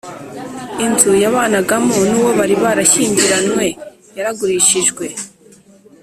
inzu yabanagamo n’ uwo bari barashyingiranywe yaragurishijwe